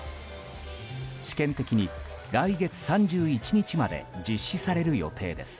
試験的に来月３１日まで実施される予定です。